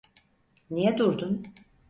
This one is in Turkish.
Niye durdun?